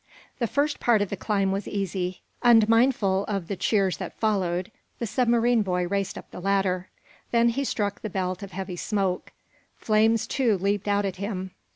The first part of the climb was easy. Unmindful of the cheers that followed the submarine boy raced up the ladder. Then he struck the belt of heavy smoke. Flames, too, leaped out at him.